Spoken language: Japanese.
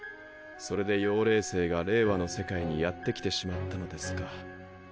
それで妖霊星が令和の世界にやって来てしまったのですか。